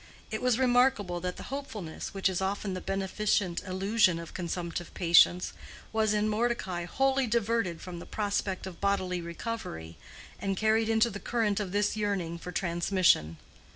It was remarkable that the hopefulness which is often the beneficent illusion of consumptive patients, was in Mordecai wholly diverted from the prospect of bodily recovery and carried into the current of this yearning for transmission.